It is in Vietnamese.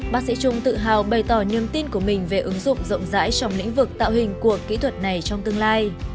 bác sĩ trung tự hào bày tỏ niềm tin của mình về ứng dụng rộng rãi trong lĩnh vực tạo hình của kỹ thuật này trong tương lai